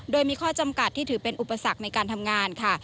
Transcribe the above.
โดยมีข้อจำกัดที่ถือเป็นอุปสรรคในการทำงานค่ะ